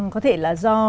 có thể là do